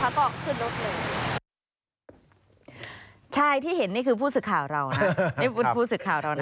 แล้วสักพักก็มีผู้ชายสองคนอยู่ก็เปิดกางเกงแล้วก็โชว์ให้เพื่อนหนูดูแล้วเพื่อนหนูก็ร้องไห้